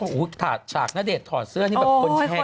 โอ้โฮฉากณเดชน์ถอดเสื้อนี่แบบคนแช่กันสู้ตาย